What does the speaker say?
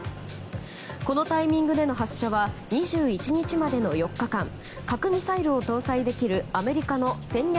このタイミングでの発射は２１日までの４日間核ミサイルを搭載できるアメリカの戦略